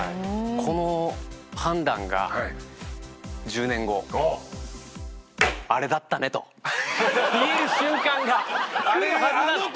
この判断が１０年後あれだったねと言える瞬間がくるはずなの。